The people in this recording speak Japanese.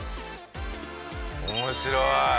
面白い。